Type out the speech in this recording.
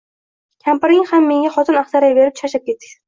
Kampiring ham menga xotin axtaraverib, charchab ketdi